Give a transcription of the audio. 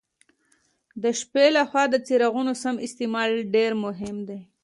د شپې له خوا د څراغونو سم استعمال ډېر مهم دی.